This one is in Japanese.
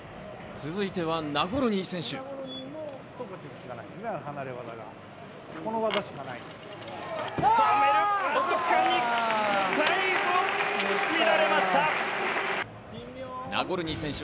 続いてはナゴルニー選手。